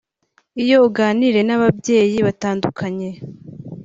Iyo uganiriye n’ababyeyi batandukanye